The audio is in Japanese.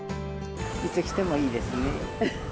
いつ来てもいいですね。